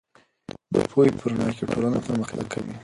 د پوهې په رڼا کې ټولنه پرمختګ کوي.